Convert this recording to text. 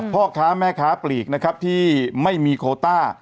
พ่อค้าแม่ค้าปลีกนะครับที่ไม่มีโคต้า